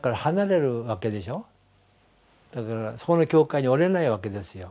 だからそこの教会におれないわけですよ。